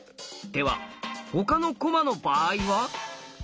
では他の駒の場合は？